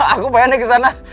aku pengen nih ke sana